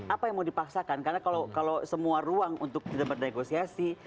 apa yang mau dipaksakan karena kalau semua ruang untuk tidak bernegosiasi